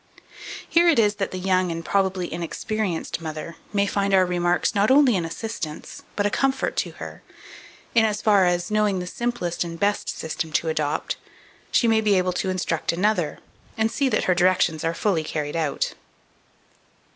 Here it is that the young and probably inexperienced mother may find our remarks not only an assistance but a comfort to her, in as far as, knowing the simplest and best system to adopt, she may be able to instruct another, and see that her directions are fully carried out.